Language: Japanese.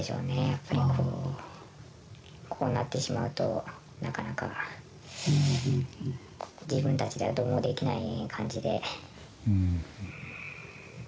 やっぱりこうなってしまうと、なかなか、自分たちではどうにもできない感じで。